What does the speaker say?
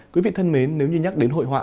quý vị thân mến nếu như nhắc đến hội họa